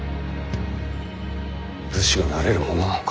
武士がなれるものなのか？